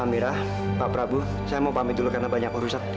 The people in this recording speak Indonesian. pak prabu saya mau pamit dulu karena banyak rusak